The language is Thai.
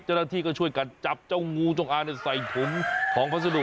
เจ้าหน้าที่ก็ช่วยกันจับเจ้างูจงอางใส่ถุงของพัสดุ